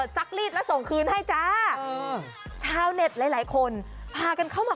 ซักรีดแล้วส่งคืนให้จ่ะเช้าเน็ตหลายคนแพ้กันเข้ามา